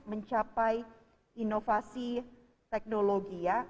mencapai inovasi teknologi ya